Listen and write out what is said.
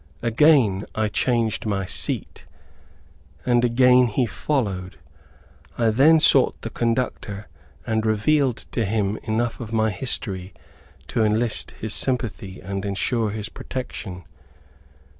Again I changed my seat, and again he followed. I then sought the conductor, and revealed to him enough of my history to enlist his sympathy and ensure his protection.